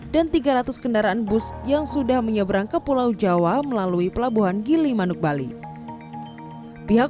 dan tiga ratus kendaraan bus yang sudah menyeberang ke pulau jawa melalui pelabuhan gilemanuk bali pihak